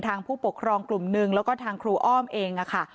ผู้ปกครองกลุ่มหนึ่งแล้วก็ทางครูอ้อมเองค่ะ